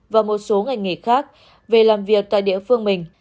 và một số ngành nghề khác về làm việc tại địa phương mình